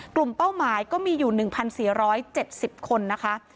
เป้าหมายก็มีอยู่๑๔๗๐คนนะคะ